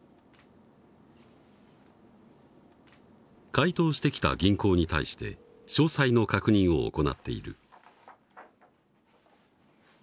回答してきた銀行に対して詳細の確認を行っている。